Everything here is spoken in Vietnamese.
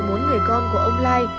trong số bốn người con của ông lai